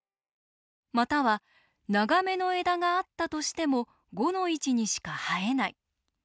または「長めの枝があったとしても５の位置にしか生えない」。